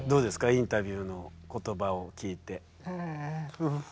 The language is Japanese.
インタビューの言葉を聞いて。